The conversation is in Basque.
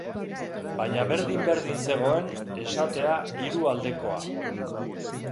Baina berdin-berdin zegoen esatea hiru-aldekoa.